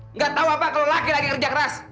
enggak tahu apa kalau laki lagi kerja keras